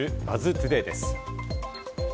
トゥデイです。